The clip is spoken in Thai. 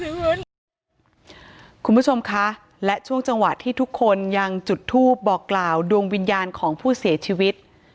คุณผู้ชมคะและช่วงจังหวะที่ทุกคนยังจุดทูปบอกกล่าวดวงวิญญาณของผู้เสียชีวิต